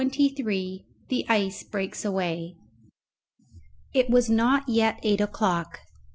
CHAPTER XXIII. THE ICE BREAKS AWAY. It was not yet eight o'clock.